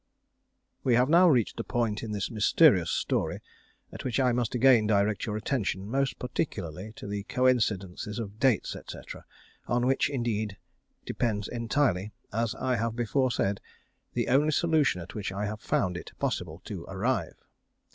_ We have now reached a point in this mysterious story at which I must again direct your attention most particularly to the coincidences of dates, &c., on which, indeed, depends entirely, as I have before said, the only solution at which I have found it possible to arrive.